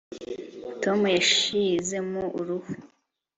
tom yashizemo uruhu